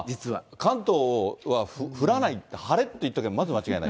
関東は降らない、晴れって言っとけばまず間違いない？